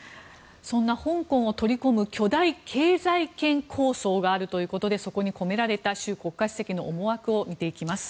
そんな香港を取り込む巨大経済圏構想があるということでそこに込められた習国家主席の思惑を見ていきます。